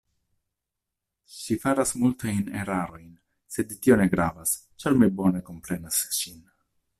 Ŝi faras multajn erarojn, sed tio ne gravas, ĉar mi bone komprenas ŝin.